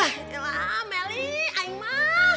hah elah melli aima